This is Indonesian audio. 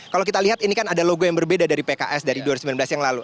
kalau kita lihat ini kan ada logo yang berbeda dari pks dari dua ribu sembilan belas yang lalu